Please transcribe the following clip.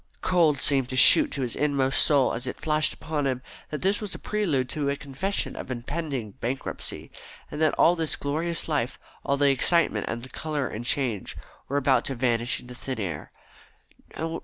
Cold seemed to shoot to his inmost soul as it flashed upon him that this was a prelude to a confession of impending bankruptcy, and that all this glorious life, all the excitement and the colour and change, were about to vanish into thin air.